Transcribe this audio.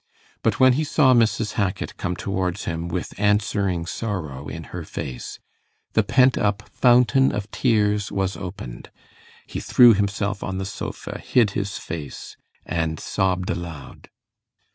But when he saw Mrs. Hackit come towards him with answering sorrow in her face, the pent up fountain of tears was opened; he threw himself on the sofa, hid his face, and sobbed aloud.